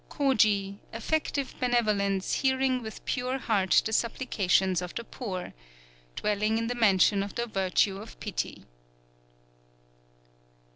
_ _Koji, Effective Benevolence Hearing with Pure Heart the Supplications of the Poor, dwelling in the Mansion of the Virtue of Pity.